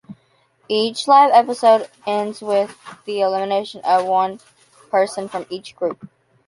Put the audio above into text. Each live episode ends with the elimination of one person from each group.